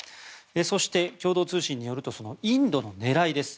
そして、共同通信によるとそのインドの狙いです。